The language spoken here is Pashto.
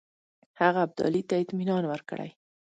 هغه ابدالي ته اطمینان ورکړی.